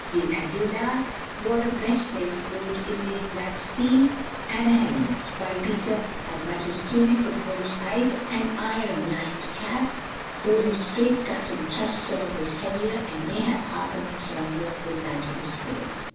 d'Aguilar wore a breastplate of gold inlaid black steel and a helmet, while Peter had but his tunic of bull's hide and iron lined cap, though his straight cut and thrust sword was heavier and mayhap half an inch longer than that of his foe.